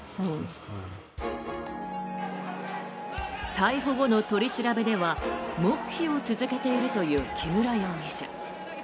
逮捕後の取り調べでは黙秘を続けているという木村容疑者。